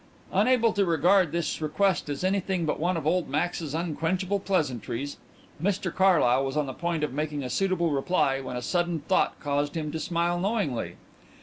Unable to regard this request as anything but one of old Max's unquenchable pleasantries, Mr Carlyle was on the point of making a suitable reply when a sudden thought caused him to smile knowingly.